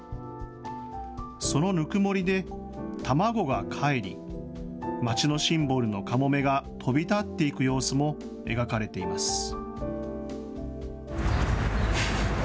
そのぬくもりで卵がかえりまちのシンボルのカモメが飛び立っていく様子も描かれています。